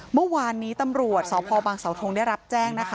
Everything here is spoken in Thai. เมื่อวานนี้ตำรวจสพบังเสาทงได้รับแจ้งนะคะ